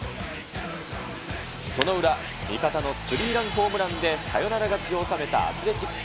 その裏、味方のスリーランホームランでサヨナラ勝ちを収めたアスレチック